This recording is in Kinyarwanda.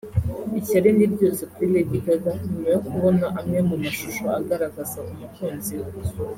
Ishyari ni ryose kuri Lady Gaga nyuma yo kubona amwe mu mashusho agaragaza umukunzi we